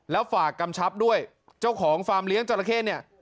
แล้วฝากกำชับด้วยเจ้าของฟาร์มเลี้ยงจราเข้เนี่ย